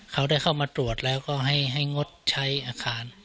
เขาได้เข้ามาตรวจแล้วก็ให้งดใช้อาคาร